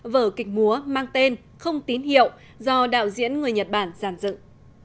vở kịch múa mang tên không tín hiệu do đạo diễn người nhật bản giàn dựng